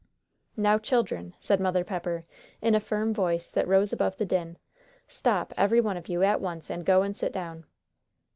"Now, children," said Mother Pepper, in a firm voice that rose above the din, "stop, every one of you, at once, and go and sit down."